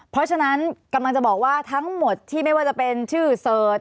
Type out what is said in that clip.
เพราะฉะนั้นกำลังจะบอกว่าทั้งหมดที่ไม่ว่าจะเป็นชื่อเสิร์ช